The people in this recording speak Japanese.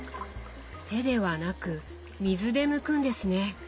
手ではなく水でむくんですね。